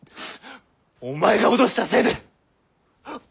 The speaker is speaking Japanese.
お前が脅したせいでお栄は！